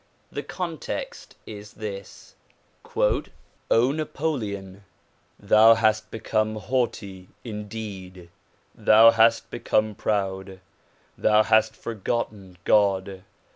The context is this: "O Napoleon! thou hast become haughty indeed. Thou hast become proud. Thou hast forgotten God.